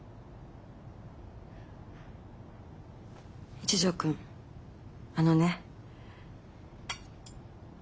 一条くんあのね。